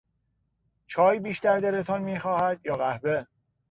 چای بیشتر دلتان میخواهد یا قهوه؟